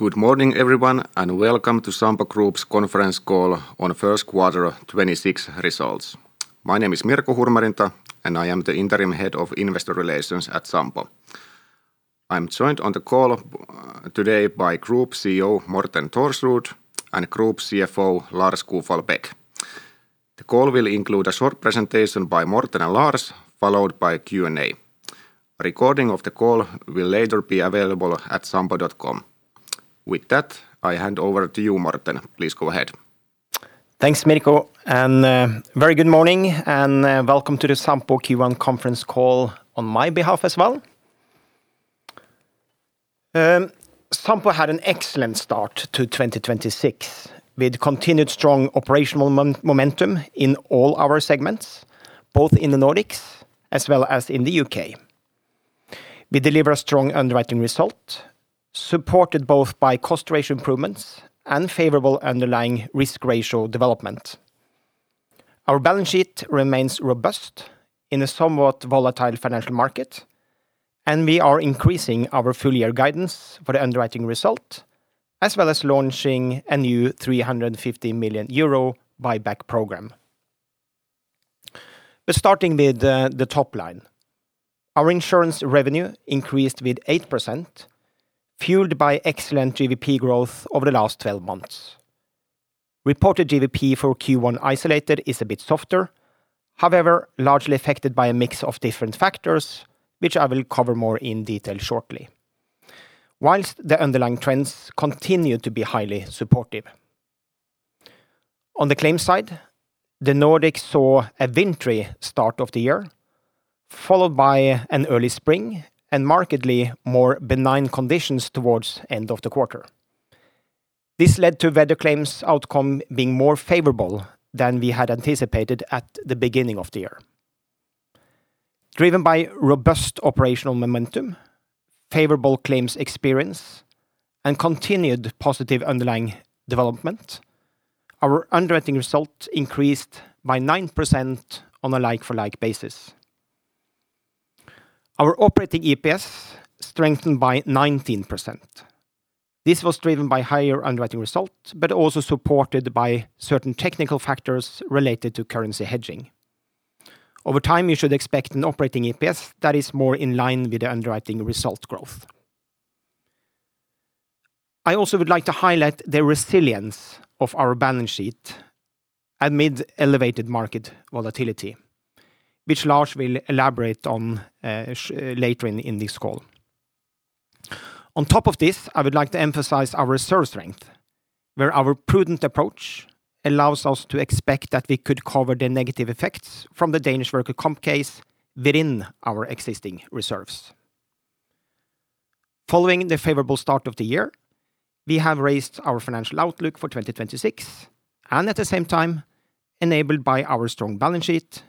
Good morning, everyone, welcome to Sampo Group's conference call on first quarter 26 results. My name is Mirko Hurmerinta, and I am the Interim Head of Investor Relations at Sampo. I'm joined on the call today by Group CEO Morten Thorsrud and Group CFO Lars Kufall Beck. The call will include a short presentation by Morten and Lars, followed by a Q&A. A recording of the call will later be available at sampo.com. With that, I hand over to you, Morten. Please go ahead. Thanks, Mirko, and very good morning and welcome to the Sampo Q1 conference call on my behalf as well. Sampo had an excellent start to 2026, with continued strong operational momentum in all our segments, both in the Nordics as well as in the U.K. We deliver strong underwriting result, supported both by cost ratio improvements and favorable underlying risk ratio development. Our balance sheet remains robust in a somewhat volatile financial market, and we are increasing our full year guidance for the underwriting result, as well as launching a new 350 million euro buyback program. Starting with the top line. Our insurance revenue increased with 8%, fueled by excellent GVP growth over the last 12 months. Reported GVP for Q1 isolated is a bit softer, however, largely affected by a mix of different factors, which I will cover more in detail shortly, whilst the underlying trends continue to be highly supportive. On the claim side, the Nordics saw a wintry start of the year, followed by an early spring and markedly more benign conditions towards end of the quarter. This led to weather claims outcome being more favorable than we had anticipated at the beginning of the year. Driven by robust operational momentum, favorable claims experience, and continued positive underlying development, our underwriting result increased by 9% on a like-for-like basis. Our operating EPS strengthened by 19%. This was driven by higher underwriting results, but also supported by certain technical factors related to currency hedging. Over time, you should expect an operating EPS that is more in line with the underwriting result growth. I also would like to highlight the resilience of our balance sheet amid elevated market volatility, which Lars will elaborate on later in this call. On top of this, I would like to emphasize our reserve strength, where our prudent approach allows us to expect that we could cover the negative effects from the Danish workers' compensation case within our existing reserves. Following the favorable start of the year, we have raised our financial outlook for 2026 and at the same time, enabled by our strong balance sheet,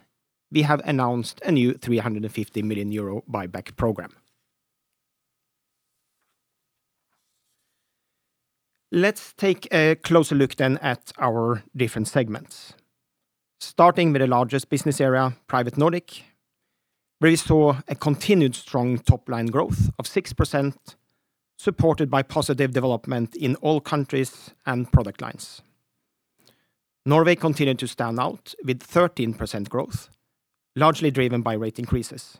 we have announced a new 350 million euro buyback program. Let's take a closer look then at our different segments. Starting with the largest business area, Private Nordic, where we saw a continued strong top-line growth of 6%, supported by positive development in all countries and product lines. Norway continued to stand out with 13% growth, largely driven by rate increases.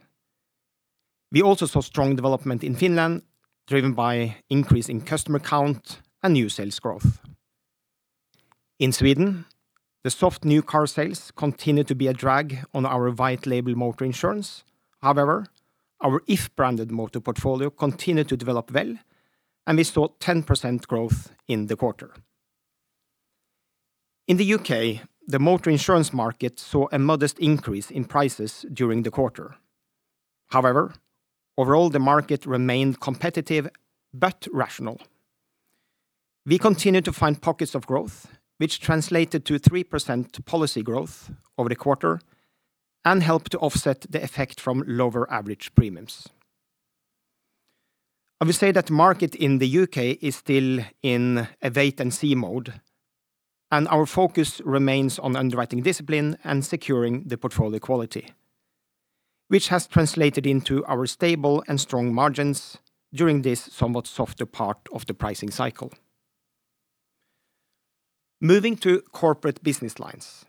We also saw strong development in Finland, driven by increase in customer count and new sales growth. In Sweden, the soft new car sales continued to be a drag on our white label motor insurance. However, our If branded motor portfolio continued to develop well, and we saw 10% growth in the quarter. In the U.K., the motor insurance market saw a modest increase in prices during the quarter. However, overall, the market remained competitive but rational. We continued to find pockets of growth, which translated to 3% policy growth over the quarter and helped to offset the effect from lower average premiums. I would say that market in the U.K. is still in a wait and see mode, and our focus remains on underwriting discipline and securing the portfolio quality, which has translated into our stable and strong margins during this somewhat softer part of the pricing cycle. Moving to corporate business lines,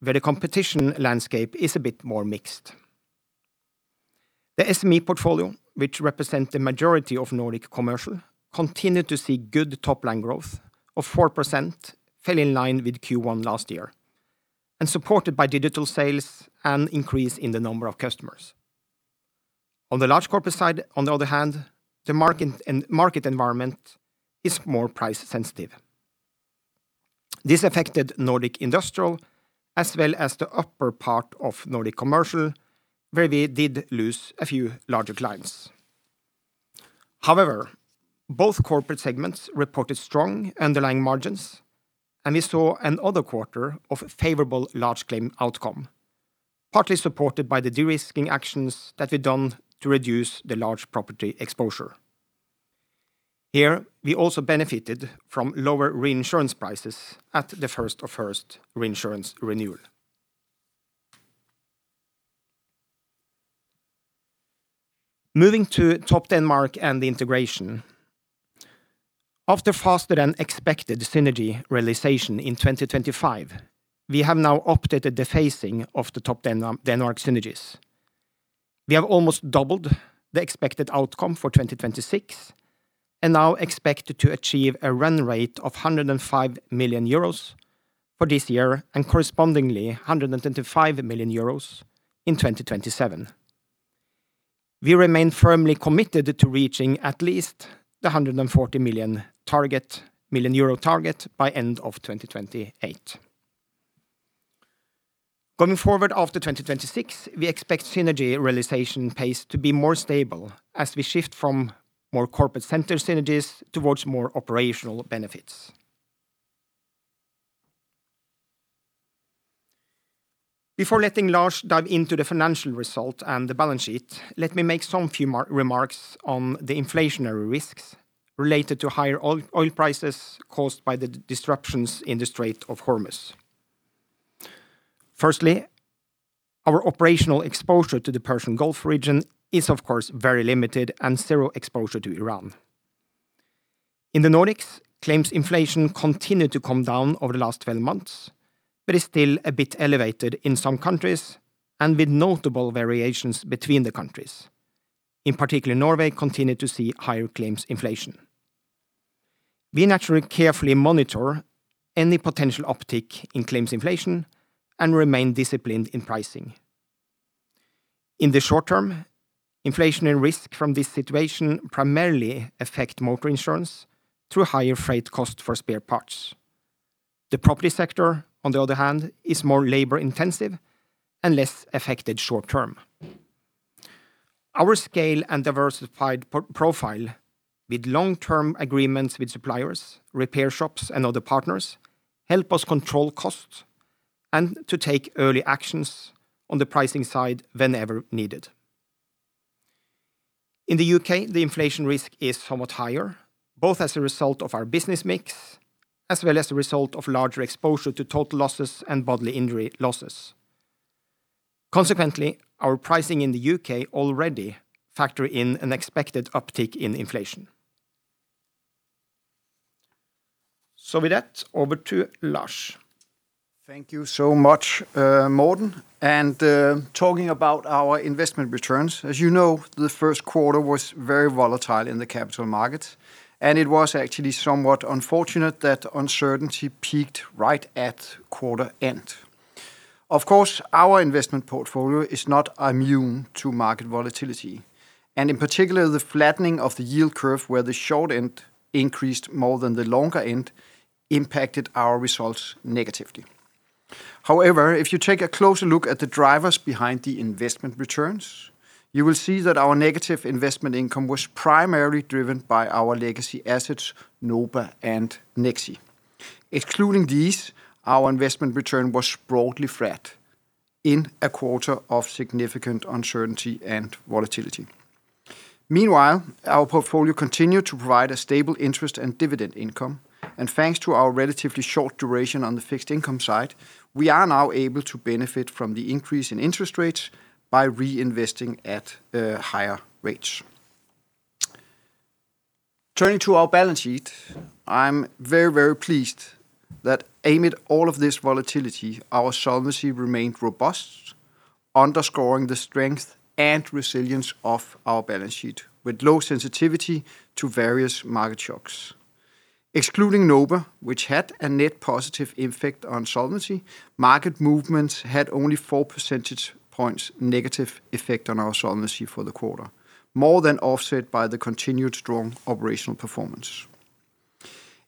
where the competition landscape is a bit more mixed. The SME portfolio, which represent the majority of Nordic Commercial, continued to see good top-line growth of 4%, fell in line with Q1 last year, and supported by digital sales and increase in the number of customers. On the large corporate side, on the other hand, the market environment is more price sensitive. This affected Nordic Industrial as well as the upper part of Nordic Commercial, where we did lose a few larger clients. Both corporate segments reported strong underlying margins, and we saw another quarter of favorable large claim outcome, partly supported by the de-risking actions that we've done to reduce the large property exposure. Here, we also benefited from lower reinsurance prices at the first of first reinsurance renewal. Moving to Topdanmark and the integration. After faster than expected synergy realization in 2025, we have now updated the phasing of the Topdanmark synergies. We have almost doubled the expected outcome for 2026 and now expect to achieve a run rate of 105 million euros for this year and correspondingly 125 million euros in 2027. We remain firmly committed to reaching at least the 140 million euro target by end of 2028. Going forward after 2026, we expect synergy realization pace to be more stable as we shift from more corporate center synergies towards more operational benefits. Before letting Lars dive into the financial result and the balance sheet, let me make some few remarks on the inflationary risks related to higher oil prices caused by the disruptions in the Strait of Hormuz. Our operational exposure to the Persian Gulf region is of course very limited and zero exposure to Iran. In the Nordics, claims inflation continued to come down over the last 12 months, but is still a bit elevated in some countries and with notable variations between the countries. In particular, Norway continued to see higher claims inflation. We naturally carefully monitor any potential uptick in claims inflation and remain disciplined in pricing. In the short term, inflationary risk from this situation primarily affects motor insurance through higher freight costs for spare parts. The property sector, on the other hand, is more labor-intensive and less affected short term. Our scale and diversified profile with long-term agreements with suppliers, repair shops, and other partners help us control costs and to take early actions on the pricing side whenever needed. In the U.K., the inflation risk is somewhat higher, both as a result of our business mix, as well as a result of larger exposure to total losses and bodily injury losses. Our pricing in the U.K. already factors in an expected uptick in inflation. With that, over to Lars. Thank you so much, Morten. Talking about our investment returns, as you know, the first quarter was very volatile in the capital markets, and it was actually somewhat unfortunate that uncertainty peaked right at quarter end. Of course, our investment portfolio is not immune to market volatility, and in particular, the flattening of the yield curve where the short end increased more than the longer end impacted our results negatively. However, if you take a closer look at the drivers behind the investment returns, you will see that our negative investment income was primarily driven by our legacy assets, NOBA and Nexi. Excluding these, our investment return was broadly flat in a quarter of significant uncertainty and volatility. Meanwhile, our portfolio continued to provide a stable interest and dividend income. Thanks to our relatively short duration on the fixed income side, we are now able to benefit from the increase in interest rates by reinvesting at higher rates. Turning to our balance sheet, I'm very pleased that amid all of this volatility, our solvency remained robust, underscoring the strength and resilience of our balance sheet with low sensitivity to various market shocks. Excluding NOBA, which had a net positive effect on solvency, market movements had only four percentage points negative effect on our solvency for the quarter, more than offset by the continued strong operational performance.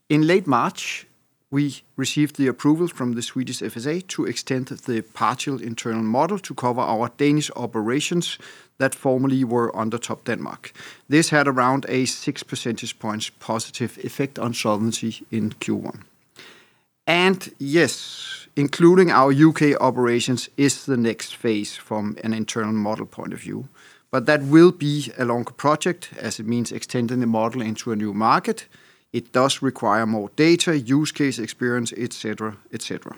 In late March, we received the approval from the Swedish FSA to extend the partial internal model to cover our Danish operations that formerly were under Topdanmark. This had around a six percentage points positive effect on solvency in Q1. Yes, including our U.K. operations is the next phase from an internal model point of view. That will be a longer project as it means extending the model into a new market. It does require more data, use case experience, et cetera, et cetera.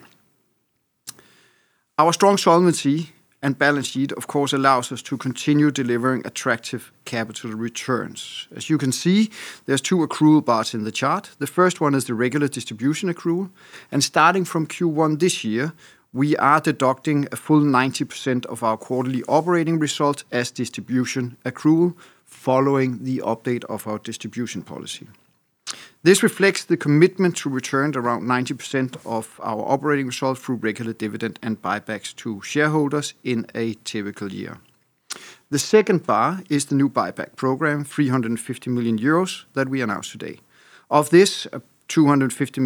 Our strong solvency and balance sheet of course allows us to continue delivering attractive capital returns. As you can see, there's two accrual bars in the chart. The first one is the regular distribution accrual, and starting from Q1 this year, we are deducting a full 90% of our quarterly operating results as distribution accrual following the update of our distribution policy. This reflects the commitment to return around 90% of our operating results through regular dividend and buybacks to shareholders in a typical year. The second bar is the new buyback program, 350 million euros that we announced today. Of this, approximately 250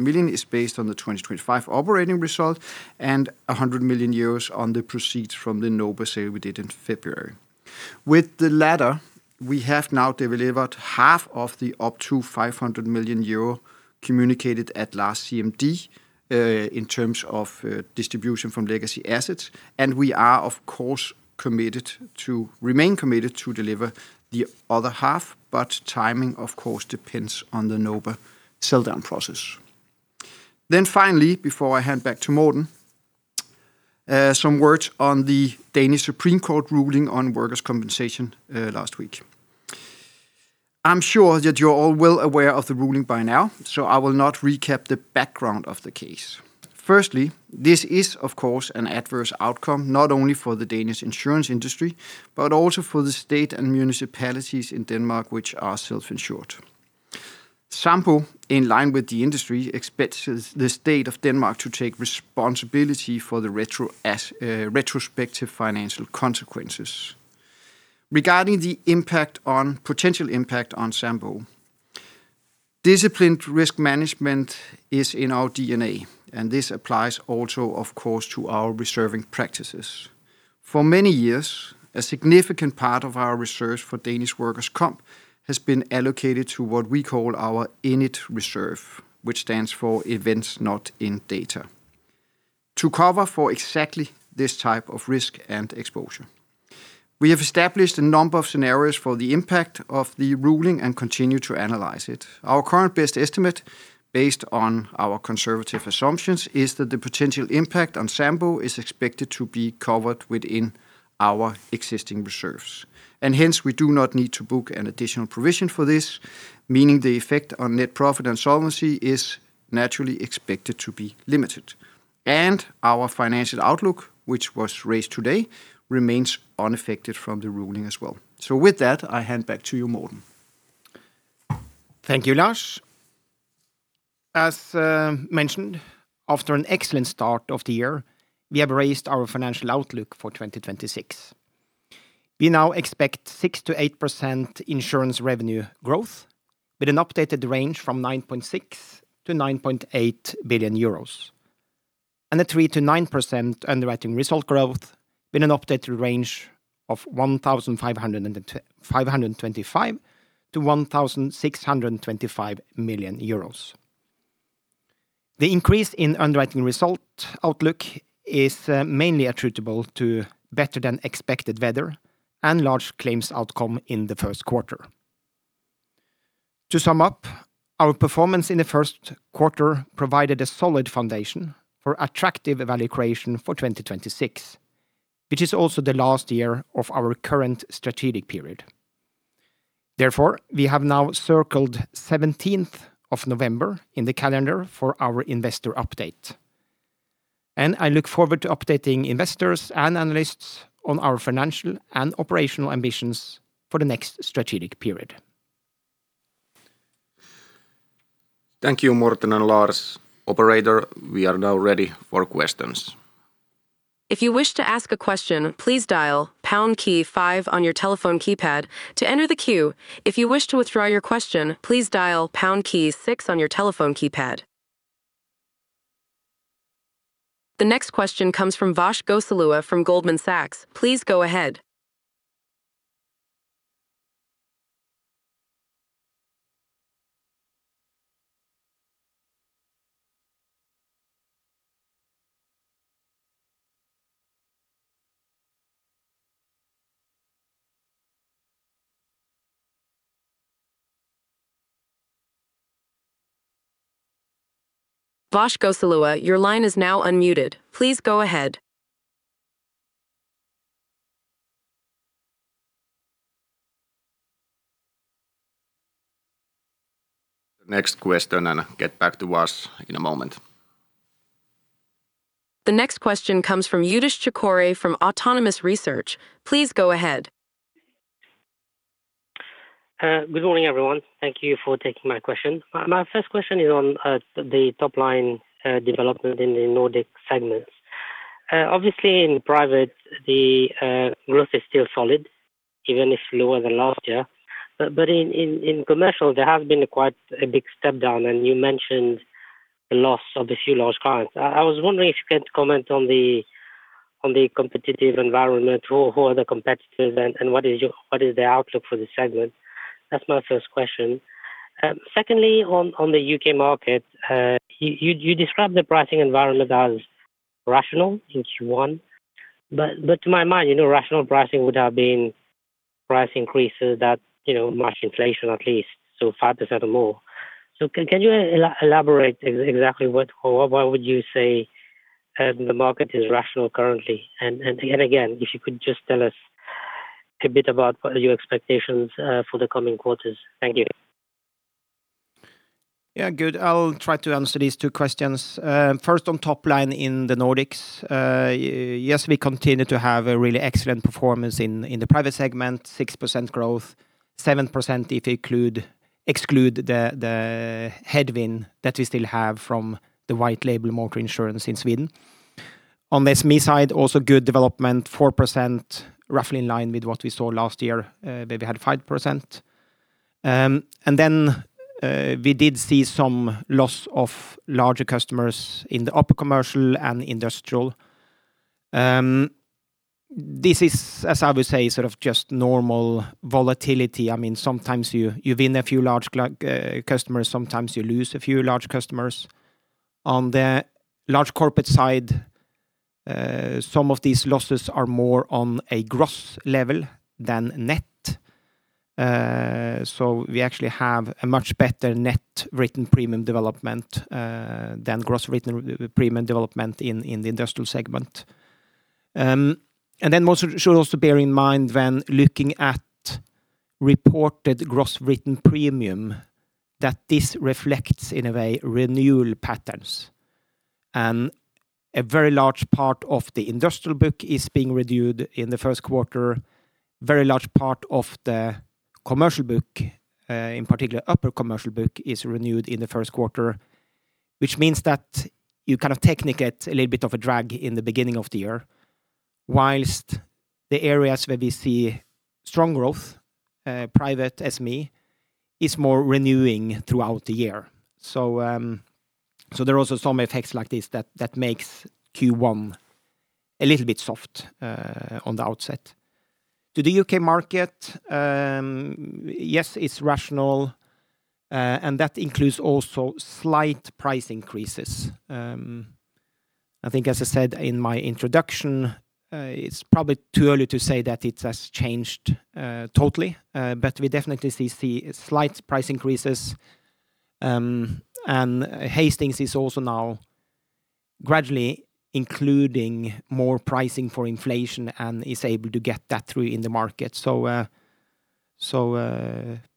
million is based on the 2025 operating result and 100 million euros on the proceeds from the NOBA sale we did in February. With the latter, we have now delivered half of the up to 500 million euro communicated at last CMD, in terms of distribution from legacy assets, and we are of course remain committed to deliver the other half, but timing of course depends on the NOBA sell-down process. Finally, before I hand back to Morten, some words on the Danish Supreme Court ruling on workers' compensation last week. I'm sure that you're all well aware of the ruling by now. I will not recap the background of the case. Firstly, this is of course an adverse outcome, not only for the Danish insurance industry, but also for the state and municipalities in Denmark which are self-insured. Sampo, in line with the industry, expects the state of Denmark to take responsibility for the retro as retrospective financial consequences. Regarding the impact on potential impact on Sampo, disciplined risk management is in our DNA. This applies also of course to our reserving practices. For many years, a significant part of our reserves for Danish workers' comp has been allocated to what we call our ENID reserve, which stands for Events Not In Data, to cover for exactly this type of risk and exposure. We have established a number of scenarios for the impact of the ruling and continue to analyze it. Our current best estimate, based on our conservative assumptions, is that the potential impact on Sampo is expected to be covered within our existing reserves, and hence we do not need to book an additional provision for this, meaning the effect on net profit and solvency is naturally expected to be limited. Our financial outlook, which was raised today, remains unaffected from the ruling as well. With that, I hand back to you, Morten. Thank you, Lars. As mentioned, after an excellent start of the year, we have raised our financial outlook for 2026. We now expect 6%-8% insurance revenue growth with an updated range from 9.6 billion-9.8 billion euros, and a 3%-9% underwriting result growth with an updated range of 1,525 million-1,625 million euros. The increase in underwriting result outlook is mainly attributable to better than expected weather and large claims outcome in the first quarter. To sum up, our performance in the first quarter provided a solid foundation for attractive value creation for 2026, which is also the last year of our current strategic period. We have now circled 17th of November in the calendar for our investor update, and I look forward to updating investors and analysts on our financial and operational ambitions for the next strategic period. Thank you, Morten and Lars. Operator, we are now ready for questions. If you wish to ask a question please dial pound key five on your telephone keypad to enter the queue. If you wish to withdraw your question please dial pound key six on your telephone keypad. The next question comes from Vash Gosalia from Goldman Sachs. Please go ahead. Vash Gosalia, your line is now unmuted. Please go ahead. Next question and get back to Vash in a moment. The next question comes from Youdish Chicooree from Autonomous Research. Please go ahead. Good morning, everyone. Thank you for taking my question. My first question is on the top line development in the Nordic segments. Obviously in private, the growth is still solid, even if lower than last year. In commercial, there has been a quite a big step down, and you mentioned the loss of a few large clients. I was wondering if you can comment on the competitive environment. Who are the competitors and what is the outlook for the segment? That's my first question. Secondly, on the U.K. market, you describe the pricing environment as rational in Q1. To my mind, you know, rational pricing would have been price increases that, you know, match inflation at least, so 5% or more. Can you elaborate exactly what or why would you say the market is rational currently? Again, if you could just tell us a bit about what are your expectations for the coming quarters. Thank you. Yeah. Good. I'll try to answer these two questions. First on top line in the Nordics. Yes, we continue to have a really excellent performance in the Private Nordic segment, 6% growth, 7% if include exclude the headwind that we still have from the white label motor insurance in Sweden. On the SME side, also good development, 4%, roughly in line with what we saw last year, where we had 5%. We did see some loss of larger customers in the upper Commercial and Industrial. This is, as I would say, sort of just normal volatility. I mean, sometimes you win a few large customers, sometimes you lose a few large customers. On the large corporate side, some of these losses are more on a gross level than net. We actually have a much better net written premium development than gross written premium development in the Industrial segment. One should also bear in mind when looking at reported gross written premium that this reflects in a way renewal patterns. A very large part of the Industrial book is being reviewed in the first quarter. Very large part of the Commercial book, in particular upper Commercial book, is renewed in the first quarter. Which means that you kind of technically get a little bit of a drag in the beginning of the year, whilst the areas where we see strong growth, Private SME, is more renewing throughout the year. There are also some effects like this that makes Q1 a little bit soft on the outset. To the U.K. market, yes, it's rational, and that includes also slight price increases. I think as I said in my introduction, it's probably too early to say that it has changed totally. We definitely see slight price increases. Hastings is also now gradually including more pricing for inflation and is able to get that through in the market. Slight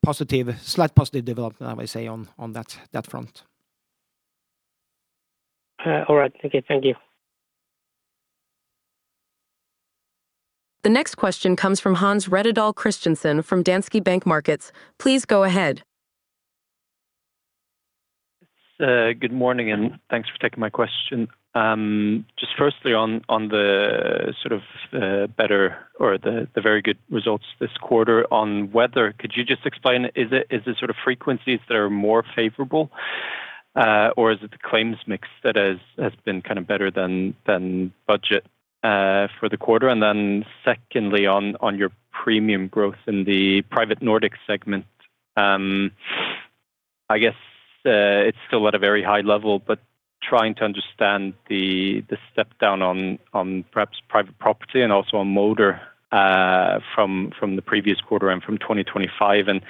positive development, I would say, on that front. All right. Okay. Thank you. The next question comes from Hans Rettedal Christiansen from Danske Bank Markets. Please go ahead. Yes. Good morning and thanks for taking my question. Just firstly on the sort of better or the very good results this quarter on weather, could you just explain, is it sort of frequencies that are more favorable? Is it the claims mix that has been kind of better than budget for the quarter? Secondly, on your premium growth in the Private Nordic segment, I guess it's still at a very high level, but trying to understand the step down on perhaps private property and also on motor from the previous quarter and from 2025 and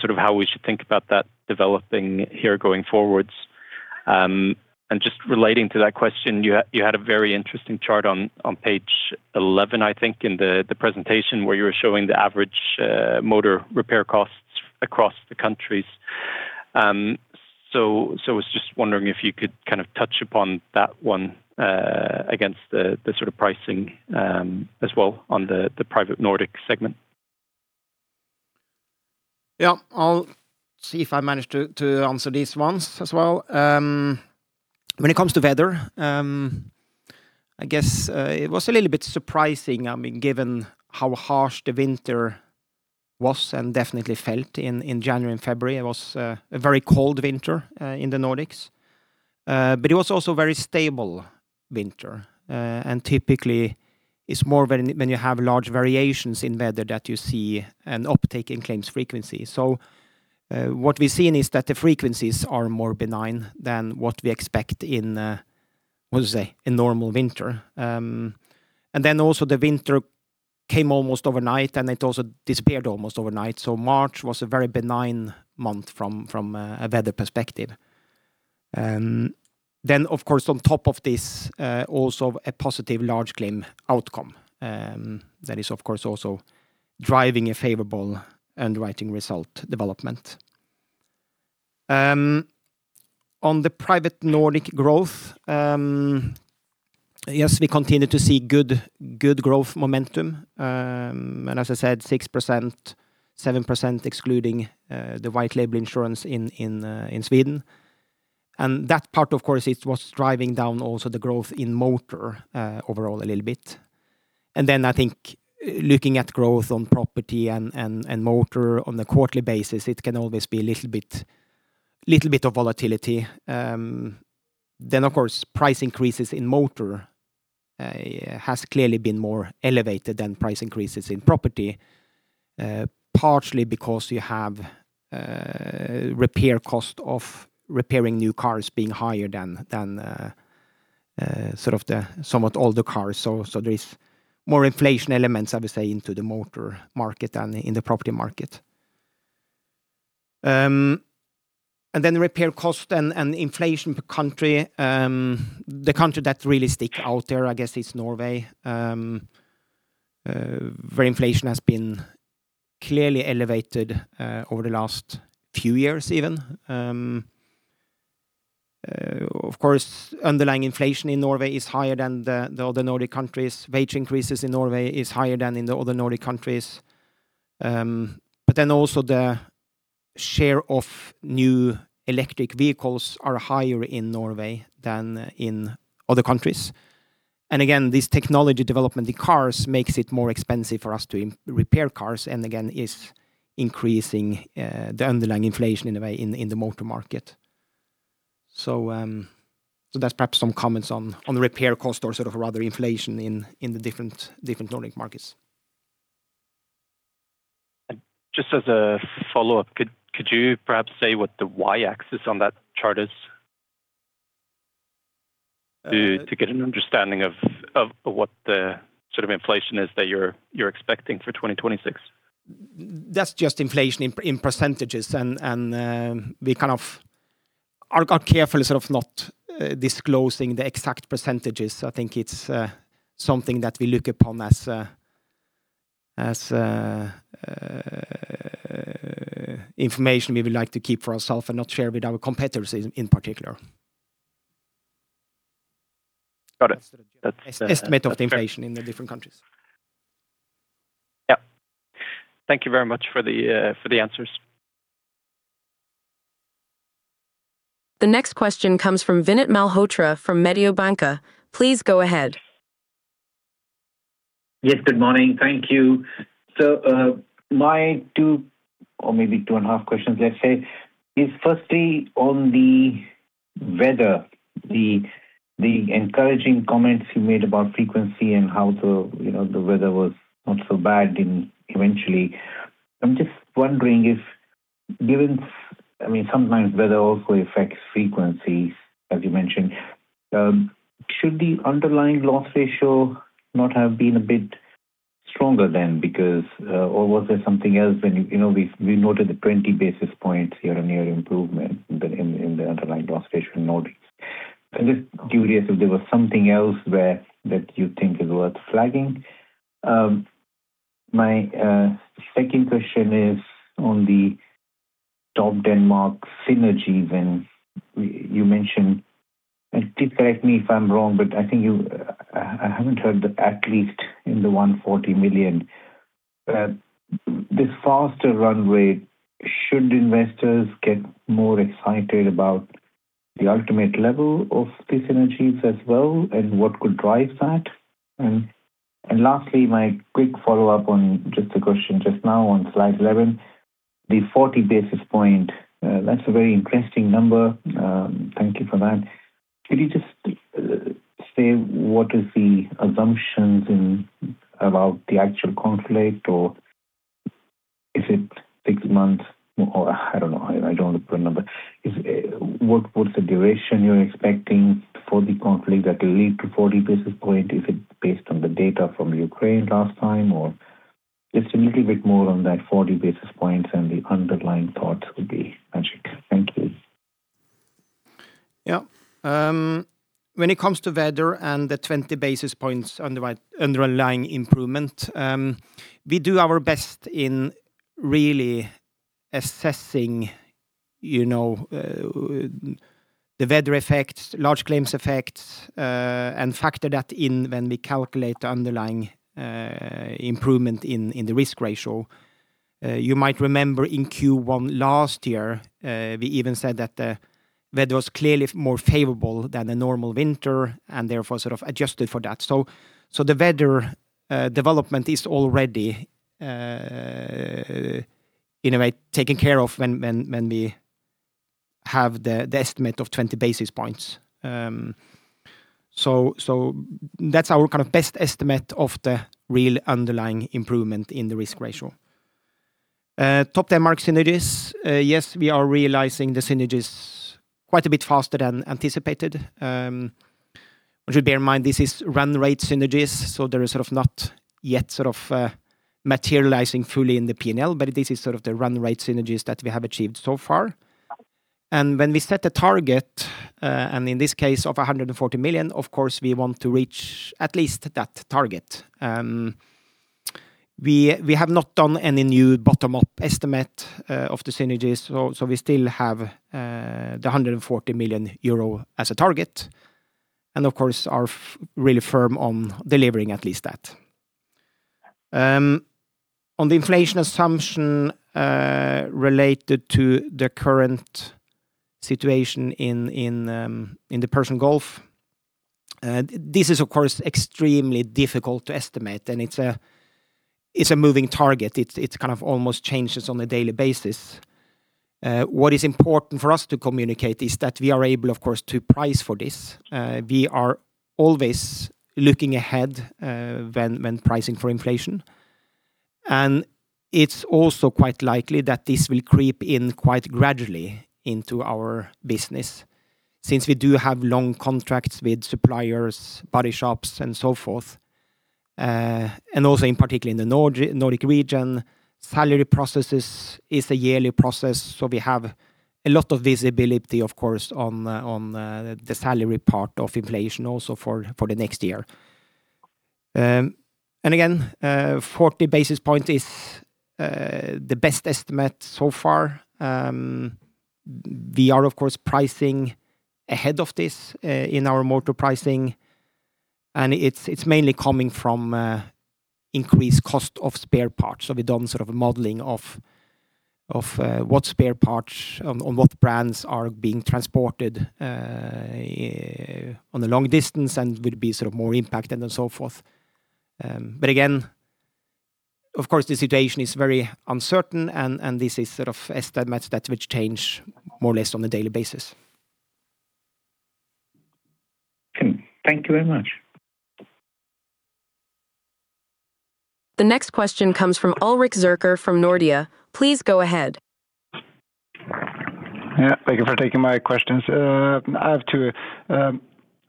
sort of how we should think about that developing here going forwards. Just relating to that question, you had a very interesting chart on page 11, I think, in the presentation where you were showing the average motor repair costs across the countries. So I was just wondering if you could kind of touch upon that one against the sort of pricing as well on the Private Nordic segment. I'll see if I manage to answer these ones as well. When it comes to weather, I guess it was a little bit surprising, I mean, given how harsh the winter was and definitely felt in January and February. It was a very cold winter in the Nordics. It was also a very stable winter. Typically, it's more when you have large variations in weather that you see an uptick in claims frequency. What we've seen is that the frequencies are more benign than what we expect in what to say, a normal winter. Then also the winter came almost overnight, and it also disappeared almost overnight. March was a very benign month from a weather perspective. Of course, on top of this, also a positive large claim outcome, that is, of course, also driving a favorable underwriting result development. On the Private Nordic growth, yes, we continue to see good growth momentum. As I said, 6%, 7%, excluding the white label insurance in Sweden. That part, of course, it was driving down also the growth in motor overall a little bit. I think looking at growth on property and motor on a quarterly basis, it can always be a little bit of volatility. Of course, price increases in motor has clearly been more elevated than price increases in property, partially because you have repair cost of repairing new cars being higher than sort of the somewhat older cars. There is more inflation elements, I would say, into the motor market than in the property market. Repair cost and inflation per country, the country that really stick out there, I guess, is Norway, where inflation has been clearly elevated over the last few years even. Of course, underlying inflation in Norway is higher than the other Nordic countries. Wage increases in Norway is higher than in the other Nordic countries. Also the share of new electric vehicles are higher in Norway than in other countries. Again, this technology development in cars makes it more expensive for us to repair cars, and again, is increasing the underlying inflation in a way in the motor market. So that's perhaps some comments on the repair cost or sort of rather inflation in the different Nordic markets. Just as a follow-up, could you perhaps say what the y-axis on that chart is to get an understanding of what the sort of inflation is that you're expecting for 2026? That's just inflation in percentages. We kind of are careful sort of not disclosing the exact %. I think it's something that we look upon as information we would like to keep for ourself and not share with our competitors in particular. Got it. That's. Sort of estimate of the inflation in the different countries. Yeah. Thank you very much for the, for the answers. The next question comes from Vinit Malhotra from Mediobanca. Please go ahead. Yes, good morning. Thank you. My two or maybe 2.5 questions, let's say, is firstly on the weather, the encouraging comments you made about frequency and how the, you know, the weather was not so bad in eventually. I'm just wondering if given I mean, sometimes weather also affects frequencies, as you mentioned. Should the underlying loss ratio not have been a bit stronger then because, or was there something else when, you know, we noted the 20 basis points year-on-year improvement in the underlying loss ratio in the Nordics. I'm just curious if there was something else where that you think is worth flagging. My second question is on the Topdanmark synergy when you mentioned, and please correct me if I'm wrong, but I think I haven't heard at least in the 140 million this faster run rate. Should investors get more excited about the ultimate level of the synergies as well, and what could drive that? Lastly, my quick follow-up on just a question just now on slide 11, the 40 basis points, that's a very interesting number. Thank you for that. Could you just say what is the assumptions in about the actual conflict or is it six months or I don't know. I don't want to put a number. What's the duration you're expecting for the conflict that will lead to 40 basis points? Is it based on the data from Ukraine last time, or just a little bit more on that 40 basis points and the underlying thoughts would be magic? Thank you. When it comes to weather and the 20 basis points underlying improvement, we do our best in really assessing, you know, the weather effects, large claims effects, and factor that in when we calculate the underlying improvement in the risk ratio. You might remember in Q1 last year, we even said that the weather was clearly more favorable than a normal winter and therefore sort of adjusted for that. So the weather development is already in a way taken care of when we have the estimate of 20 basis points. So that's our kind of best estimate of the real underlying improvement in the risk ratio. Topdanmark synergies, yes, we are realizing the synergies quite a bit faster than anticipated. But you bear in mind this is run rate synergies, so they're not yet materializing fully in the P&L, but this is the run rate synergies that we have achieved so far. When we set a target, in this case of 140 million, of course, we want to reach at least that target. We have not done any new bottom-up estimate of the synergies. We still have the 140 million euro as a target and of course, are really firm on delivering at least that. On the inflation assumption, related to the current situation in the Persian Gulf, this is of course extremely difficult to estimate, and it's a moving target. It's, it kind of almost changes on a daily basis. What is important for us to communicate is that we are able, of course, to price for this. We are always looking ahead, when pricing for inflation. It's also quite likely that this will creep in quite gradually into our business since we do have long contracts with suppliers, body shops, and so forth. And also in particular in the Nordic region, salary processes is a yearly process, so we have a lot of visibility of course on the salary part of inflation also for the next year. Again, 40 basis points is the best estimate so far. We are of course pricing ahead of this in our motor pricing, and it's mainly coming from increased cost of spare parts. We've done sort of a modeling of what spare parts on what brands are being transported on a long distance and will be sort of more impacted and so forth. Again, of course, the situation is very uncertain and this is sort of estimates that will change more or less on a daily basis. Thank you very much. The next question comes from Ulrik Årdal Zürcher from Nordea. Please go ahead. Yeah, thank you for taking my questions. I have two.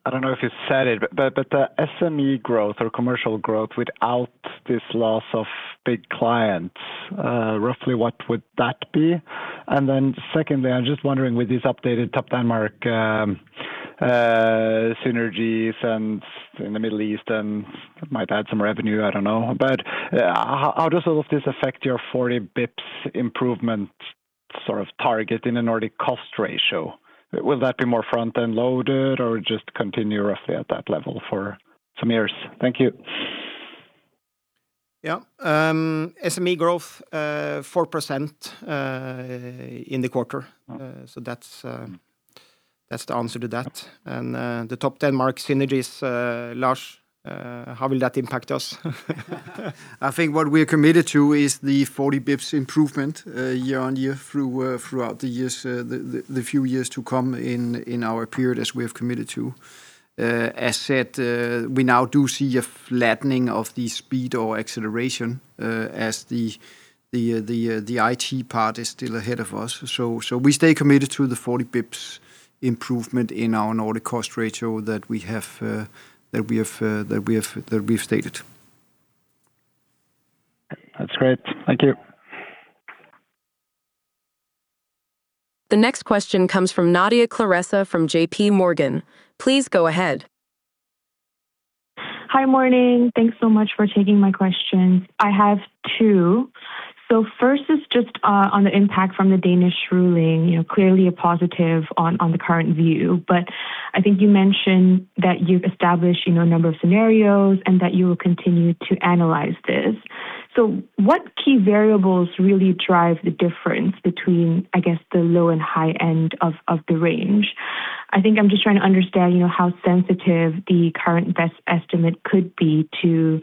I don't know if you said it, but the SME growth or commercial growth without this loss of big clients, roughly what would that be? Secondly, I'm just wondering with this updated Topdanmark, synergies and in the Middle East and might add some revenue, I don't know. How does all of this affect your 40 bps improvement sort of target in a Nordic cost ratio? Will that be more front end loaded or just continue roughly at that level for some years? Thank you. Yeah. SME growth, 4% in the quarter. So that's the answer to that. The Topdanmark synergies, Lars, how will that impact us? I think what we're committed to is the 40 bps improvement year-on-year throughout the years, the few years to come in our period as we have committed to. As said, we now do see a flattening of the speed or acceleration as the IT part is still ahead of us. We stay committed to the 40 bps improvement in our Nordic cost ratio that we have stated. That's great. Thank you. The next question comes from Nadia Claressa from JP Morgan. Please go ahead. Hi. Morning. Thanks so much for taking my questions. I have two. First is just on the impact from the Danish ruling. You know, clearly a positive on the current view, but I think you mentioned that you've established, you know, a number of scenarios and that you will continue to analyze this. What key variables really drive the difference between, I guess, the low and high end of the range? I think I'm just trying to understand, you know, how sensitive the current best estimate could be to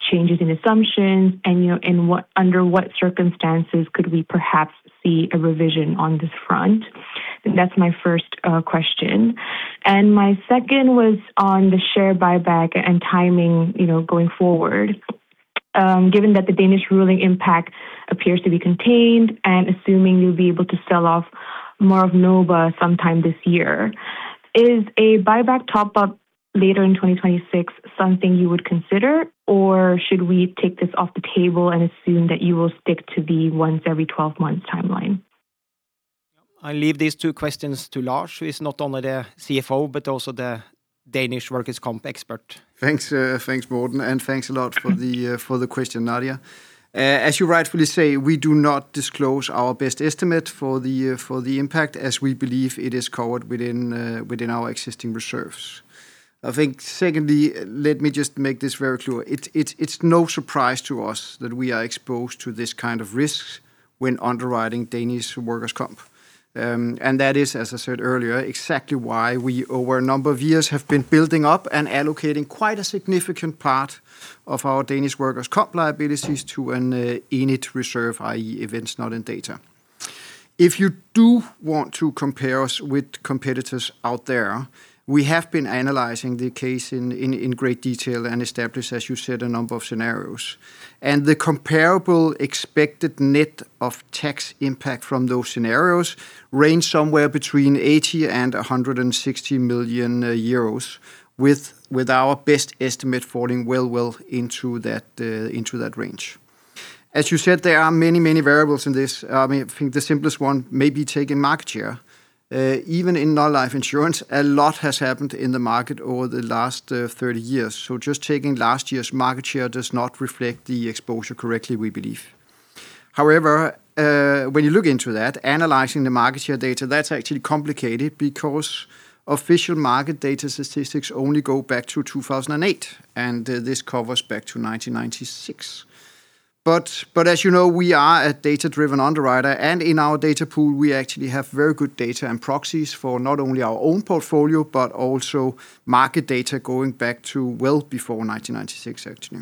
changes in assumptions and, you know, under what circumstances could we perhaps see a revision on this front? That's my first question. My second was on the share buyback and timing, you know, going forward. Given that the Danish ruling impact appears to be contained and assuming you'll be able to sell off more of NOBA sometime this year, is a buyback top up later in 2026 something you would consider, or should we take this off the table and assume that you will stick to the once every 12 months timeline? I'll leave these two questions to Lars, who is not only the CFO but also the Danish workers' comp expert. Thanks. Thanks, Morten, and thanks a lot for the question, Nadia. As you rightfully say, we do not disclose our best estimate for the impact as we believe it is covered within our existing reserves. I think secondly, let me just make this very clear. It's no surprise to us that we are exposed to this kind of risks when underwriting Danish workers' comp. That is, as I said earlier, exactly why we over a number of years have been building up and allocating quite a significant part of our Danish workers' comp liabilities to an ENID reserve, i.e. Events Not In Data. If you do want to compare us with competitors out there, we have been analyzing the case in great detail and established, as you said, a number of scenarios. The comparable expected net of tax impact from those scenarios range somewhere between 80 million and 160 million euros with our best estimate falling well into that range. As you said, there are many variables in this. I mean, I think the simplest one may be taking market share. Even in non-life insurance, a lot has happened in the market over the last 30 years. Just taking last year's market share does not reflect the exposure correctly, we believe. However, when you look into that, analyzing the market share data, that's actually complicated because official market data statistics only go back to 2008, and this covers back to 1996. As you know, we are a data-driven underwriter, and in our data pool we actually have very good data and proxies for not only our own portfolio, but also market data going back to well before 1996 actually.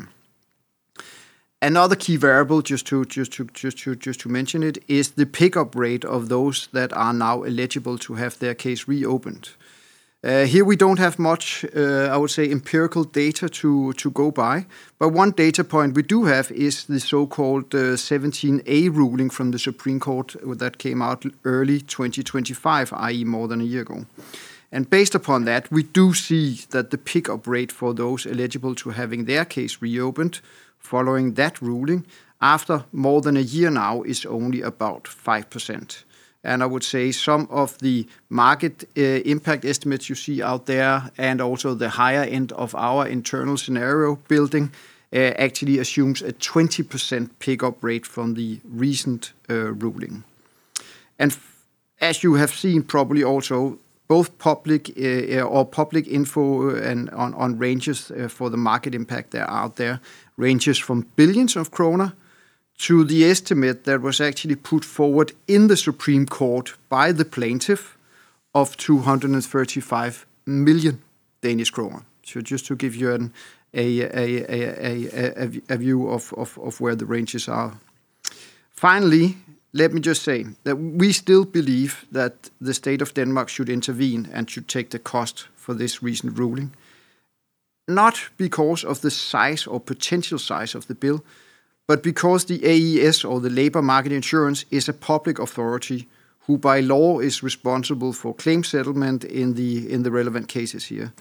Another key variable, just to mention it, is the pickup rate of those that are now eligible to have their case reopened. Here we don't have much, I would say empirical data to go by, but one data point we do have is the so-called Section 17a ruling from the Supreme Court of Denmark that came out early 2025, i.e. more than a year ago. Based upon that, we do see that the pickup rate for those eligible to having their case reopened following that ruling after more than a year now is only about 5%. I would say some of the market impact estimates you see out there, and also the higher end of our internal scenario building, actually assumes a 20% pickup rate from the recent ruling. As you have seen probably also both public or public info and on ranges for the market impact that are out there ranges from billions of DKK to the estimate that was actually put forward in the Supreme Court by the plaintiff of 235 million Danish kroner. Just to give you a view of where the ranges are. Finally, let me just say that we still believe that the state of Denmark should intervene and should take the cost for this recent ruling. Not because of the size or potential size of the bill, but because the AES or the Labour Market Insurance is a public authority who by law is responsible for claim settlement in the relevant cases here.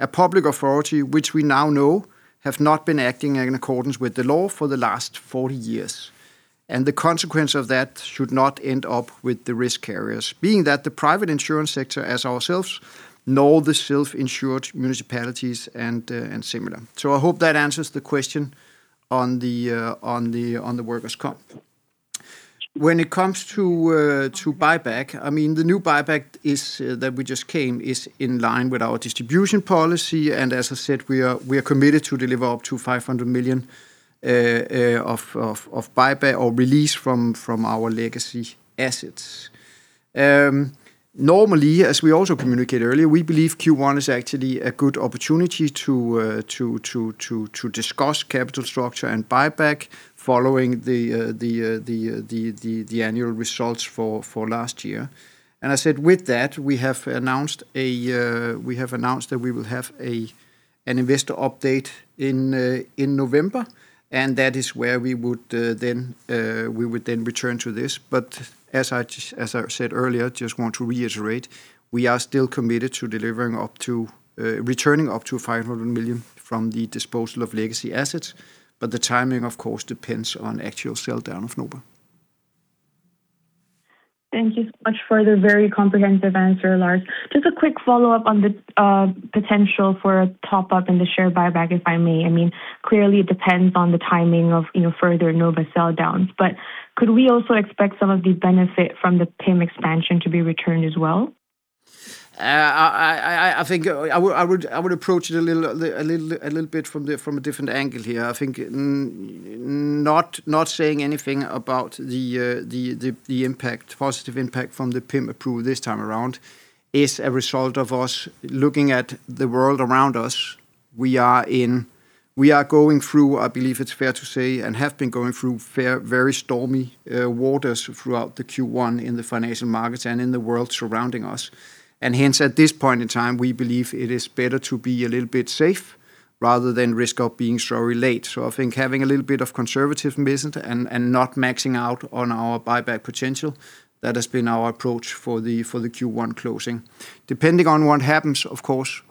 A public authority, which we now know have not been acting in accordance with the law for the last 40 years, and the consequence of that should not end up with the risk carriers. Being that the private insurance sector as ourselves nor the self-insured municipalities and similar. I hope that answers the question on the workers' compensation. When it comes to buyback, I mean, the new buyback is that we just came is in line with our distribution policy. As I said, we are committed to deliver up to 500 million of buyback or release from our legacy assets. Normally, as we also communicated earlier, we believe Q1 is actually a good opportunity to discuss capital structure and buyback following the annual results for last year. I said with that, we have announced that we will have an investor update in November, and that is where we would then return to this. As I said earlier, just want to reiterate, we are still committed to delivering up to, returning up to 500 million from the disposal of legacy assets, the timing of course depends on actual sell down of NOBA. Thank you so much for the very comprehensive answer, Lars. Just a quick follow-up on the potential for a top-up in the share buyback, if I may. I mean, clearly it depends on the timing of, you know, further NOBA sell downs, but could we also expect some of the benefit from the PIM expansion to be returned as well? I think I would approach it a little bit from a different angle here. I think not saying anything about the impact, positive impact from the PIM approval this time around is a result of us looking at the world around us. We are going through, I believe it's fair to say, and have been going through fair, very stormy waters throughout the Q1 in the financial markets and in the world surrounding us. At this point in time, we believe it is better to be a little bit safe rather than risk of being sorry late. I think having a little bit of conservatism and not maxing out on our buyback potential, that has been our approach for the Q1 closing. Depending on what happens, of course,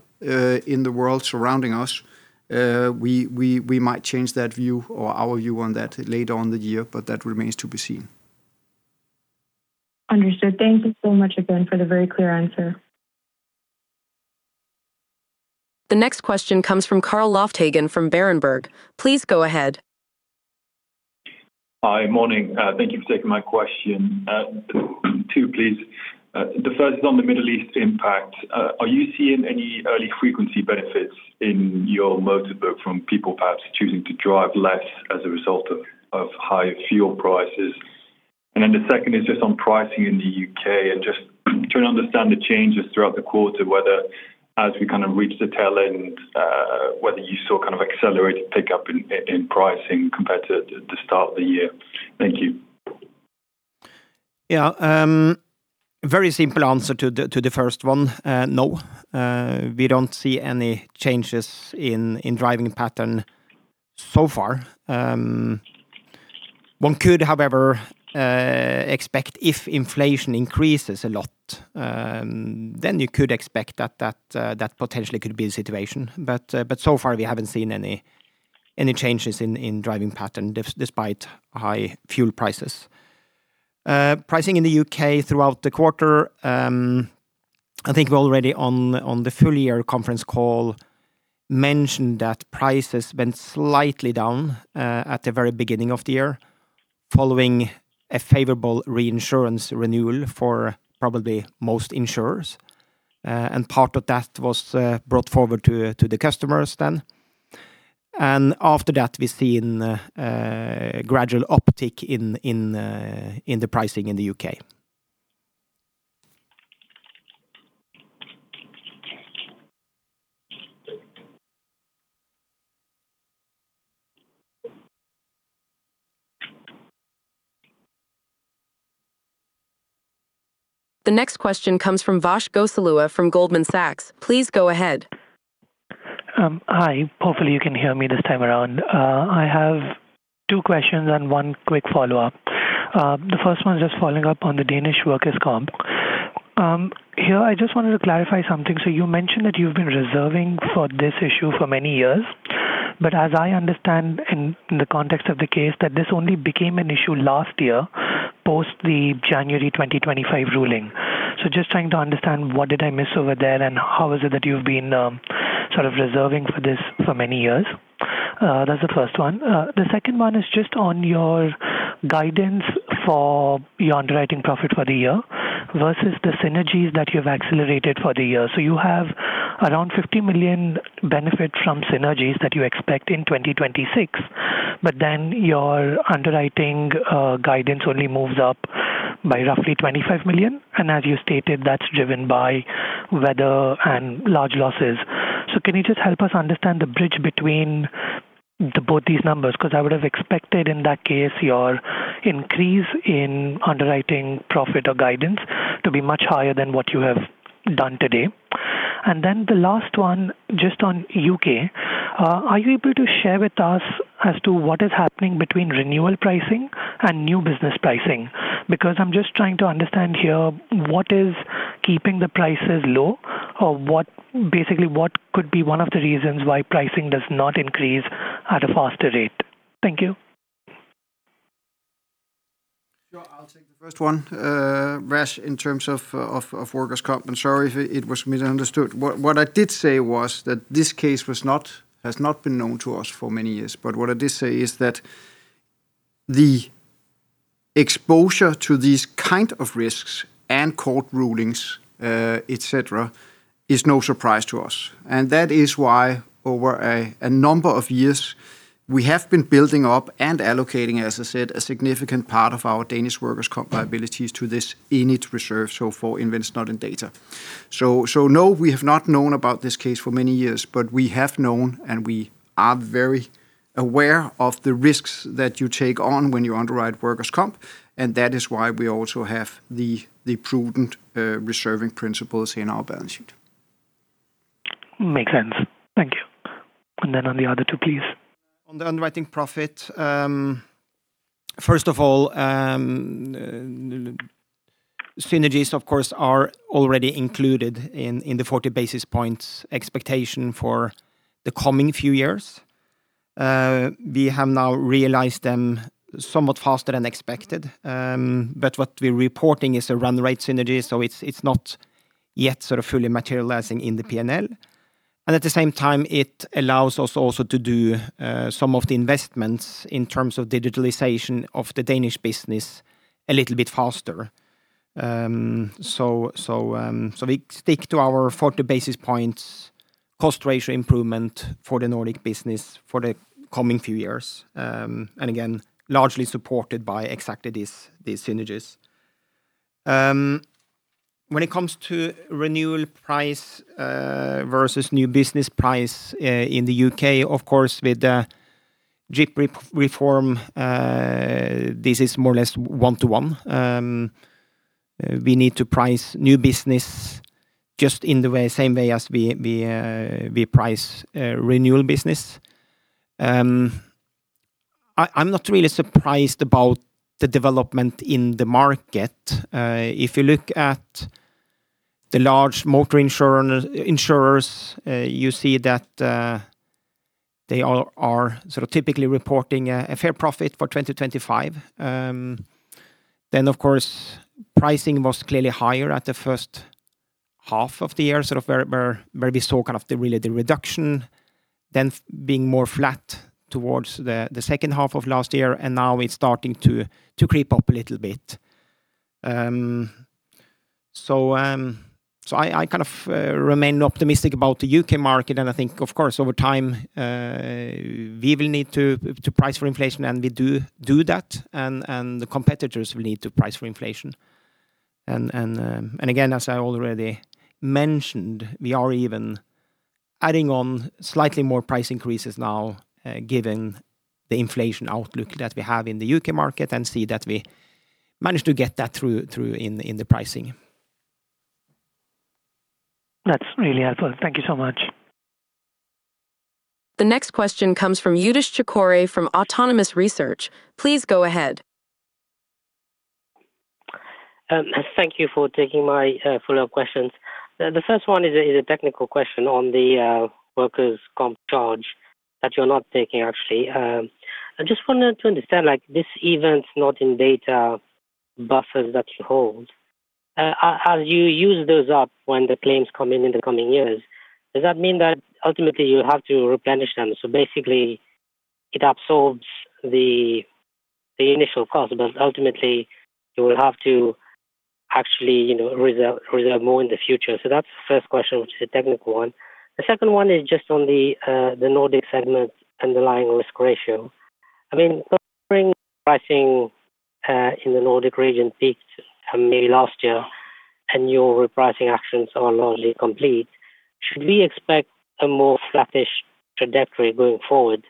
in the world surrounding us, we might change that view or our view on that later on the year, but that remains to be seen. Understood. Thank you so much again for the very clear answer. The next question comes from Carl Lofthagen from Berenberg. Please go ahead. Hi. Morning. Thank you for taking my question. Two please. The first is on the Middle East impact. Are you seeing any early frequency benefits in your motor book from people perhaps choosing to drive less as a result of higher fuel prices? The second is just on pricing in the U.K. and just trying to understand the changes throughout the quarter, whether as we kind of reach the tail end, whether you saw kind of accelerated pickup in pricing compared to the start of the year. Thank you. Very simple answer to the first one, no. We don't see any changes in driving pattern so far. One could, however, expect if inflation increases a lot, then you could expect that potentially could be the situation. So far we haven't seen any changes in driving pattern despite high fuel prices. Pricing in the U.K. throughout the quarter, I think we already on the full year conference call mentioned that price has been slightly down at the very beginning of the year following a favorable reinsurance renewal for probably most insurers. Part of that was brought forward to the customers then. After that, we've seen a gradual uptick in the pricing in the U.K. The next question comes from Vash Gosalia from Goldman Sachs. Please go ahead. Hi. Hopefully you can hear me this time around. I have two questions and one quick follow-up. The first one is just following up on the Danish workers' comp. Here I just wanted to clarify something. You mentioned that you've been reserving for this issue for many years, but as I understand in the context of the case that this only became an issue last year, post the January 2025 ruling. Just trying to understand what did I miss over there and how is it that you've been sort of reserving for this for many years. That's the first one. The second one is just on your guidance for your underwriting profit for the year versus the synergies that you've accelerated for the year. You have around 50 million benefit from synergies that you expect in 2026, your underwriting guidance only moves up by roughly 25 million, and as you stated, that's driven by weather and large losses. Because I would have expected in that case your increase in underwriting profit or guidance to be much higher than what you have done today. The last one, just on U.K. Are you able to share with us as to what is happening between renewal pricing and new business pricing? Because I'm just trying to understand here what is keeping the prices low or what could be one of the reasons why pricing does not increase at a faster rate? Thank you. Sure. I'll take the first one, Vash, in terms of workers' comp. Sorry if it was misunderstood. What I did say was that this case has not been known to us for many years. What I did say is that the exposure to these kind of risks and court rulings, et cetera, is no surprise to us. That is why over a number of years, we have been building up and allocating, as I said, a significant part of our Danish workers' comp liabilities to this ENID reserve, so for Events Not In Data. No, we have not known about this case for many years. We have known and we are very aware of the risks that you take on when you underwrite workers' comp. That is why we also have the prudent reserving principles in our balance sheet. Makes sense. Thank you. Then on the other two, please. On the underwriting profit, first of all, synergies of course are already included in the 40 basis points expectation for the coming few years. We have now realized them somewhat faster than expected. What we're reporting is a run rate synergies, so it's not yet sort of fully materializing in the P&L. At the same time, it allows us also to do some of the investments in terms of digitalization of the Danish business a little bit faster. We stick to our 40 basis points cost ratio improvement for the Nordic business for the coming few years, again, largely supported by exactly these synergies. When it comes to renewal price versus new business price in the U.K., of course, with the GIPP re-reform, this is more or less one to one. We need to price new business the same way as we price renewal business. I'm not really surprised about the development in the market. If you look at the large motor insurers, you see that they are sort of typically reporting a fair profit for 2025. Of course, pricing was clearly higher at the first half of the year, sort of where we saw kind of the really the reduction, then being more flat towards the second half of last year, and now it's starting to creep up a little bit. I kind of, remain optimistic about the U.K. market. I think of course over time, we will need to price for inflation, and we do that, and the competitors will need to price for inflation. Again, as I already mentioned, we are even adding on slightly more price increases now, given the inflation outlook that we have in the U.K. market and see that we manage to get that through in the pricing. That's really helpful. Thank you so much. The next question comes from Youdish Chicooree from Autonomous Research. Please go ahead. Thank you for taking my follow-up questions. The first one is a technical question on the workers' comp charge that you're not taking actually. I just wanted to understand like this Events Not In Data buffers that you hold, as you use those up when the claims come in in the coming years, does that mean that ultimately you have to replenish them? Basically it absorbs the initial cost, but ultimately you will have to actually, you know, reserve more in the future. That's the first question, which is a technical one. The second one is just on the Nordic segment underlying risk ratio. I mean, pricing in the Nordic region peaked maybe last year, and your repricing actions are largely complete. Should we expect a more flattish trajectory going forward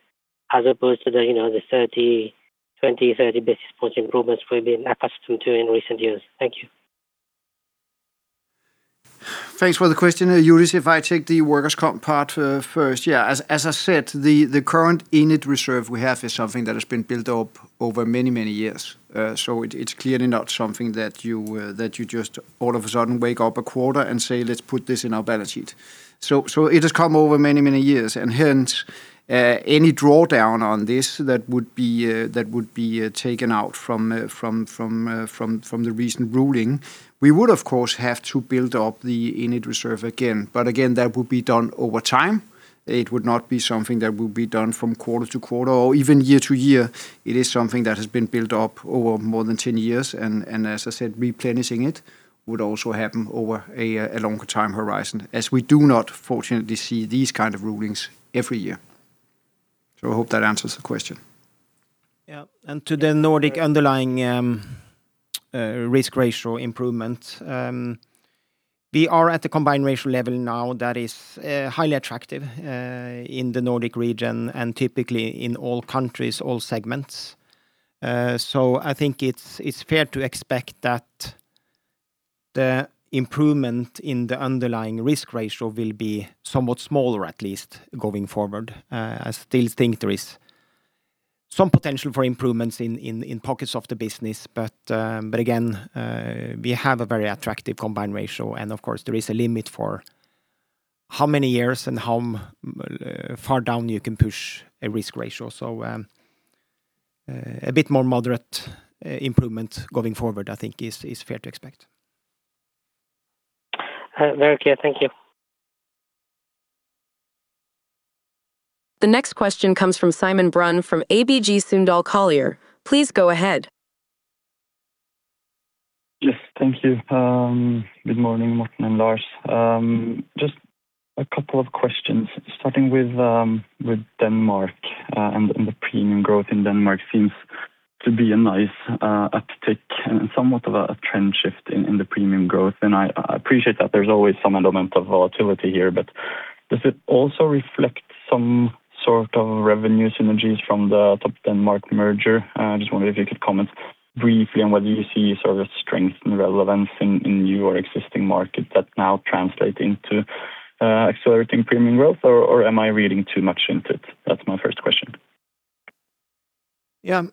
as opposed to the, you know, the 30, 20, 30 basis point improvements we've been accustomed to in recent years? Thank you. Thanks for the question. Youdish, if I take the workers' comp part first. As I said, the current ENID reserve we have is something that has been built up over many, many years. It's clearly not something that you that you just all of a sudden wake up a quarter and say, "Let's put this in our balance sheet." It has come over many, many years and hence, any drawdown on this that would be taken out from the recent ruling, we would of course have to build up the ENID reserve again. Again, that would be done over time. It would not be something that will be done from quarter to quarter or even year to year. It is something that has been built up over more than 10 years and as I said, replenishing it would also happen over a longer time horizon as we do not fortunately see these kind of rulings every year. I hope that answers the question. Yeah. To the Nordic underlying risk ratio improvement, we are at the combined ratio level now that is highly attractive in the Nordic region and typically in all countries, all segments. I think it's fair to expect that the improvement in the underlying risk ratio will be somewhat smaller, at least going forward. I still think there is some potential for improvements in pockets of the business, but again, we have a very attractive combined ratio, of course, there is a limit for how many years and how far down you can push a risk ratio. A bit more moderate improvement going forward, I think is fair to expect. Very clear. Thank you. The next question comes from Simon Brun from ABG Sundal Collier. Please go ahead. Yes. Thank you. Good morning, Morten and Lars. Just a couple of questions, starting with Denmark. The premium growth in Denmark seems to be a nice uptick and somewhat of a trend shift in the premium growth. I appreciate that there's always some element of volatility here, but does it also reflect some sort of revenue synergies from the Topdanmark merger? I just wonder if you could comment briefly on what you see sort of strength and relevance in your existing market that now translate into accelerating premium growth or am I reading too much into it? That's my first question. Yeah.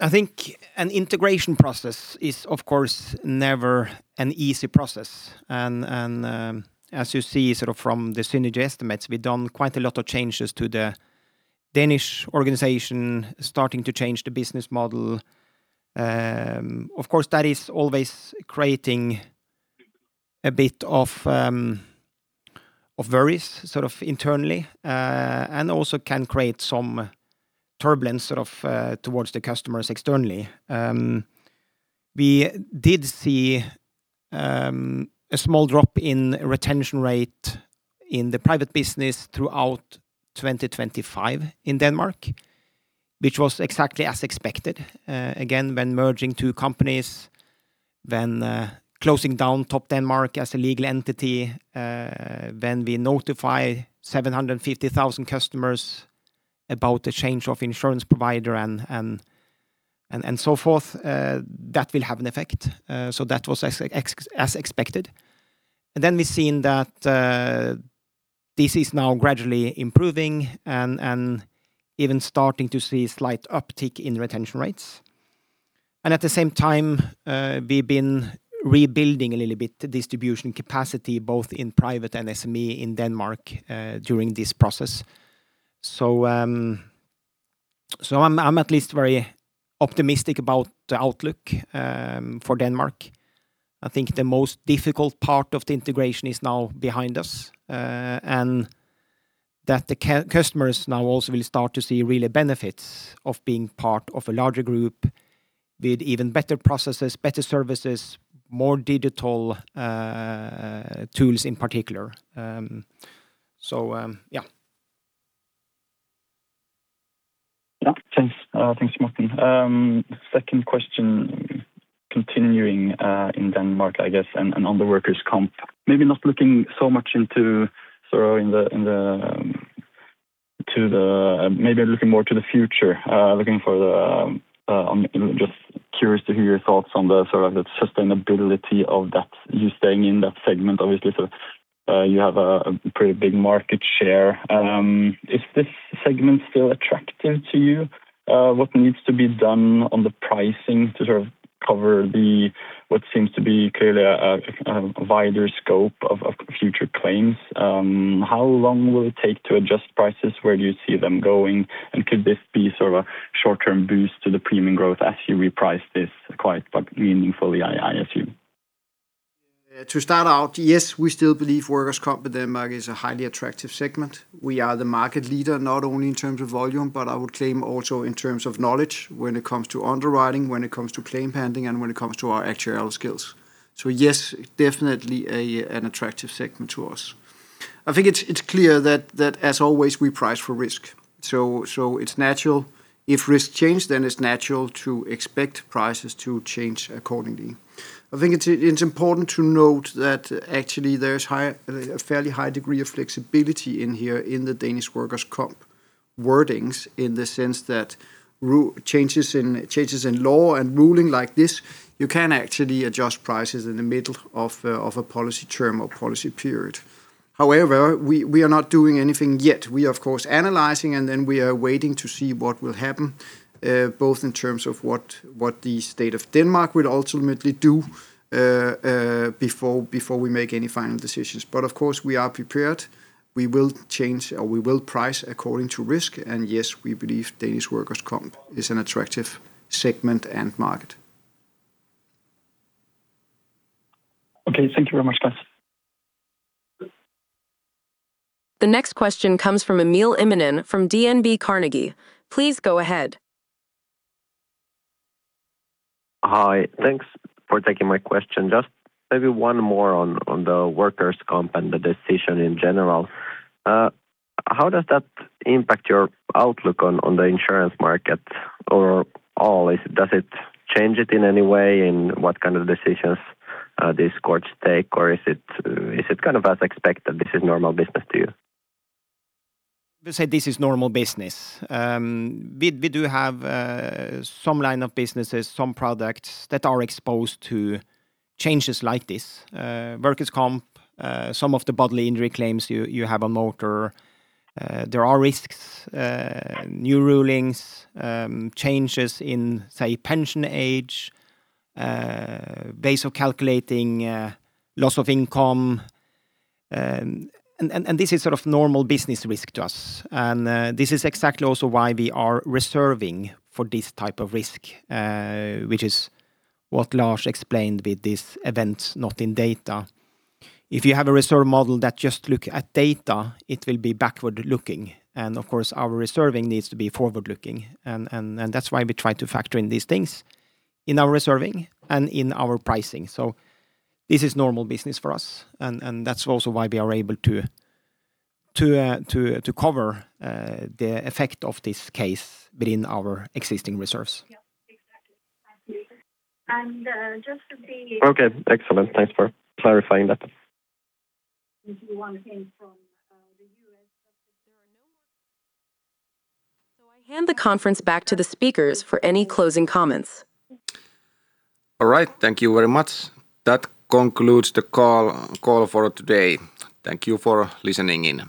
I think an integration process is, of course, never an easy process and, as you see sort of from the synergy estimates, we've done quite a lot of changes to the Danish organization starting to change the business model. Of course, that is always creating a bit of worries sort of internally, and also can create some turbulence sort of towards the customers externally. We did see a small drop in retention rate in the private business throughout 2025 in Denmark, which was exactly as expected. Again, when merging two companies, then closing down Topdanmark as a legal entity, when we notify 750,000 customers about the change of insurance provider and, and so forth, that will have an effect. That was as expected. We've seen that this is now gradually improving and even starting to see slight uptick in retention rates. At the same time, we've been rebuilding a little bit the distribution capacity both in private and SME in Denmark during this process. I'm at least very optimistic about the outlook for Denmark. I think the most difficult part of the integration is now behind us, and that the customers now also will start to see really benefits of being part of a larger group with even better processes, better services, more digital tools in particular. Yeah. Thanks. Thanks, Morten. Second question, continuing in Denmark, I guess, and on the workers' comp, maybe looking more to the future, I'm just curious to hear your thoughts on the sort of the sustainability of that. You staying in that segment, obviously, so, you have a pretty big market share. Is this segment still attractive to you? What needs to be done on the pricing to sort of cover the, what seems to be clearly a wider scope of future claims? How long will it take to adjust prices? Where do you see them going? Could this be sort of a short-term boost to the premium growth as you reprice this quite but meaningfully, I assume? To start out, yes, we still believe workers' comp in Denmark is a highly attractive segment. We are the market leader, not only in terms of volume, but I would claim also in terms of knowledge when it comes to underwriting, when it comes to claim handling, and when it comes to our actuarial skills. Yes, definitely an attractive segment to us. I think it's clear that as always, we price for risk. It's natural. If risks change, it's natural to expect prices to change accordingly. I think it's important to note that actually there's a fairly high degree of flexibility in here in the Danish workers' comp wordings, in the sense that changes in law and ruling like this, you can actually adjust prices in the middle of a policy term or policy period. However, we are not doing anything yet. We are, of course, analyzing, and then we are waiting to see what will happen, both in terms of what the State of Denmark will ultimately do, before we make any final decisions. Of course, we are prepared. We will change or we will price according to risk. Yes, we believe Danish workers' compensation is an attractive segment and market. Okay. Thank you very much, guys. The next question comes from Emil Immonen from DNB Carnegie. Please go ahead. Hi. Thanks for taking my question. Just maybe one more on the workers' comp and the decision in general. How does that impact your outlook on the insurance market or all? Does it change it in any way in what kind of decisions this courts take or is it kind of as expected, this is normal business to you? Let's say this is normal business. We do have some line of businesses, some products that are exposed to changes like this. Workers' comp, some of the bodily injury claims you have on motor. There are risks, new rulings, changes in, say, pension age, base of calculating loss of income. This is sort of normal business risk to us. This is exactly also why we are reserving for this type of risk, which is what Lars explained with these Events Not In Data. If you have a reserve model that just look at data, it will be backward-looking. Of course, our reserving needs to be forward-looking. That's why we try to factor in these things in our reserving and in our pricing. This is normal business for us. That's also why we are able to cover the effect of this case within our existing reserves. Yeah. Exactly. Thank you. Okay. Excellent. Thanks for clarifying that. If you want came from, the U.S. I hand the conference back to the speakers for any closing comments. All right. Thank you very much. That concludes the call for today. Thank you for listening in.